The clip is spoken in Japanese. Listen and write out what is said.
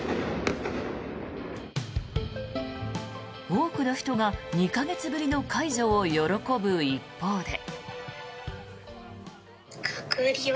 多くの人が２か月ぶりの解除を喜ぶ一方で。